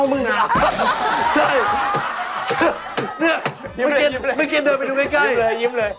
ฮือยิ้มเลยยิ้มเลย